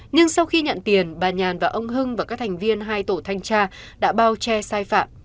nhưng sau khi nhận tiền bà nhàn và ông hưng và các thành viên hai tổ thanh tra đã bao che sai phạm